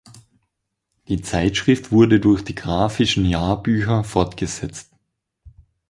Die Zeitschrift wurde durch die Graphischen Jahrbücher fortgesetzt.